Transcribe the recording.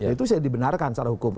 itu dibenarkan secara hukum